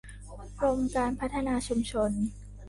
กรมการพัฒนาชุมชน